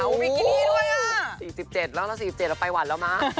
โอ้โฮ๕๗แล้วเรา๔๗เราไปหวันแล้วม่า